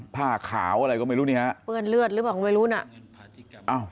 เปือนเลือดหรือเปล่ำนี้